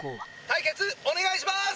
対決お願いします！